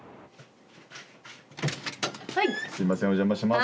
すいませんお邪魔します。